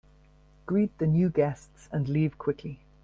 Greet the new guests and leave quickly.